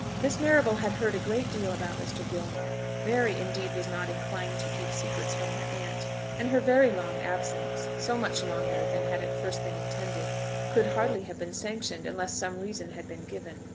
Miss Marrable had heard a great deal about Mr. Gilmore. Mary, indeed, was not inclined to keep secrets from her aunt, and her very long absence, so much longer than had at first been intended, could hardly have been sanctioned unless some reason had been given.